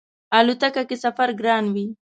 الوتکه کی سفر ګران وی